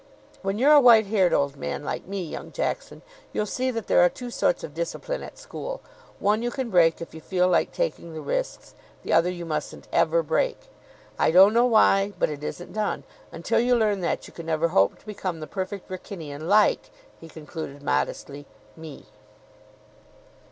When you're a white haired old man like me, young Jackson, you'll see that there are two sorts of discipline at school. One you can break if you feel like taking the risks; the other you mustn't ever break. I don't know why, but it isn't done. Until you learn that, you can never hope to become the Perfect Wrykynian like," he concluded modestly, "me."